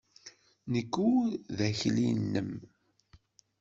Nekk ur d akli-nnem!